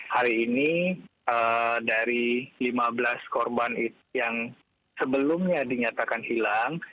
hari ini dari lima belas korban yang sebelumnya dinyatakan hilang